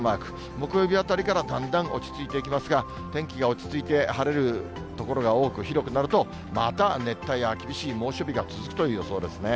木曜日あたりからだんだん落ち着いていきますが、天気が落ち着いて晴れる所が多く、広くなると、また熱帯夜が厳しい猛暑日が続くという予想ですね。